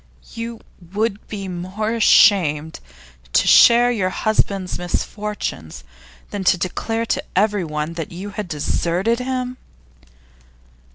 'You would be more ashamed to share your husband's misfortunes than to declare to everyone that you had deserted him?